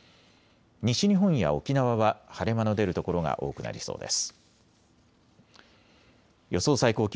西日本や沖縄は晴れ間の出る所が多くなりそうです。